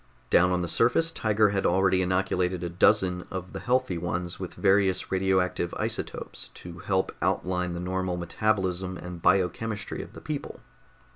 Down on the surface Tiger had already inoculated a dozen of the healthy ones with various radioactive isotopes to help outline the normal metabolism and biochemistry of the people.